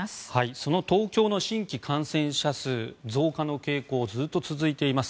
その東京の新規感染者数増加の傾向がずっと続いています。